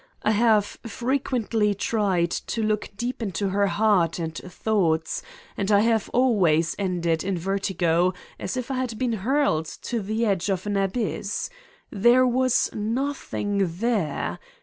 I have frequently tried to look deep into her heart and thoughts and I have always ended in vertigo, as if I had been hurled to the edge of an abyss : there was nothmg there.